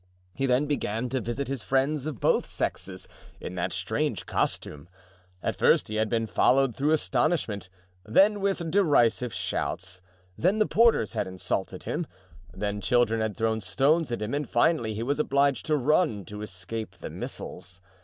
He then began to visit his friends of both sexes, in that strange costume. At first he had been followed through astonishment, then with derisive shouts, then the porters had insulted him, then children had thrown stones at him, and finally he was obliged to run, to escape the missiles.